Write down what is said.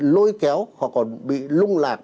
lôi kéo họ còn bị lung lạc